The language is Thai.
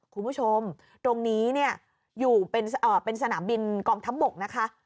คุณผู้ชมตรงนี้เนี่ยอยู่เป็นสนามบินกองทัพบกนะคะ